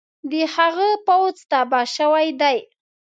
د هغه پوځ تباه شوی دی.